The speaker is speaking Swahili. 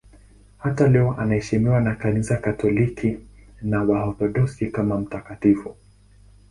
Hata leo anaheshimiwa na Kanisa Katoliki na Waorthodoksi kama mtakatifu.